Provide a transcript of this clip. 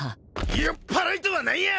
酔っぱらいとは何や！